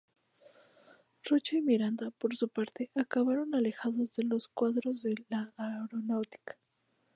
Rocha y Miranda, por su parte, acabaron alejados de los cuadros de la Aeronáutica.